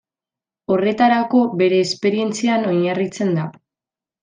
Horretarako bere esperientzian oinarritzen da.